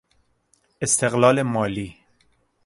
استقلال مالی